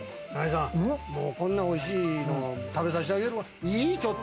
もうこんなおいしいの食べさせたげるわ。